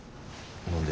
何で？